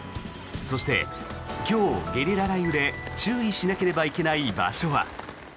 そして今日、ゲリラ雷雨で注意しなければいけない場所は。